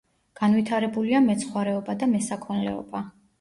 განვითარებულია მეცხვარეობა და მესაქონლეობა.